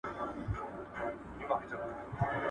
کله به پخلا سي، وايي بله ورځ !.